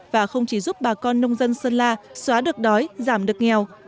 và không chỉ giúp bà con nông dân sơn la xóa được đói giảm được nghèo